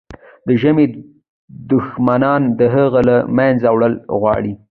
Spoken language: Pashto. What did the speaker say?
د ژبې دښمنان د هغې له منځه وړل غواړي.